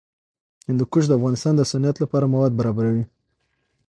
هندوکش د افغانستان د صنعت لپاره مواد برابروي.